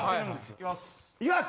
行きます！